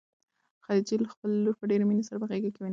خدیجې خپله لور په ډېرې مینې سره په غېږ کې ونیوله.